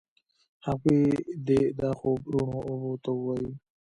هغوی دي دا خوب روڼو اوبو ته ووایي